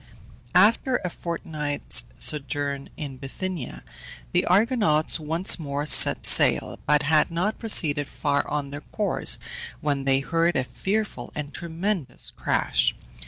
After a fortnight's sojourn in Bithynia the Argonauts once more set sail, but had not proceeded far on their course, when they heard a fearful and tremendous crash.